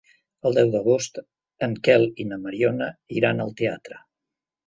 El deu d'agost en Quel i na Mariona iran al teatre.